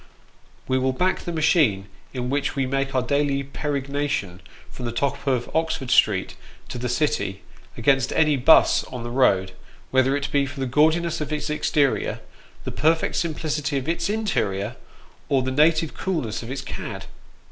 We will back the machine in which we make our daily peregrination from the top of Oxford Street to the City, against any " buss " on the road, whether it be for the gaudiness of its exterior, the perfect simplicity of its interior, or the native coolness of its cad.